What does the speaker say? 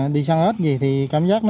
đi săn ếch gì thì cảm giác nó